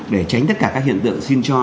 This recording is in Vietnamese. để tránh tất cả các hiện tượng xin cho